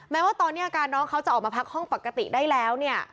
แม้ว่าตอนนี้อาการน้องเขาจะออกมาพักห้องปกติได้แล้วเนี่ย